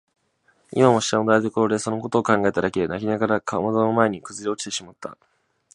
今も下の台所でそのことを考えただけで泣きながらかまどの前にくずおれてしまった。